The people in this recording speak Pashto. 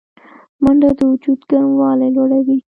منډه د وجود ګرموالی لوړوي